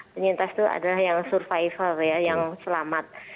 penyintas itu adalah yang survivor ya yang selamat